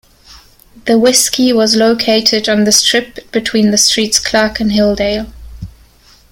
The Whisky was located on the strip between the streets Clark and Hilldale.